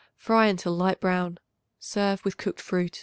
Fry until light brown. Serve with cooked fruit.